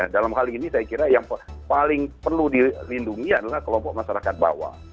dalam hal ini saya kira yang paling perlu dilindungi adalah kelompok masyarakat bawah